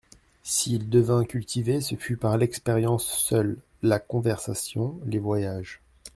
S'il devint cultivé, ce fut par l'expérience seule, la conversation, les voyages.